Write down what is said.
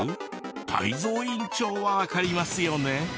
泰造委員長はわかりますよね？